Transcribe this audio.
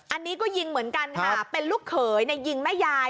อันนี้ก็ยิงเหมือนกันค่ะเป็นลูกเขยในยิงแม่ยาย